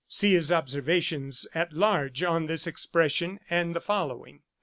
See his observations at large on this expression and the following.